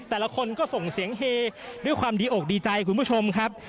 แต่ละคนก็ส่งเสียงเฮด้วยความดีอกดีใจคุณผู้ชมครับ